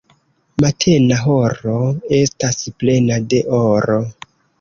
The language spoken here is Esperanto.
Matena horo estas plena de oro.